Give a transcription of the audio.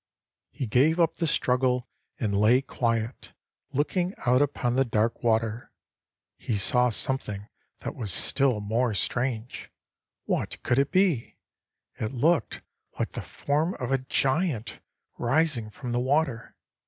"He gave up the struggle, and lay quiet, looking out upon the dark water. He saw something that was still more strange. What could it be? It looked like the form of a giant rising from the water.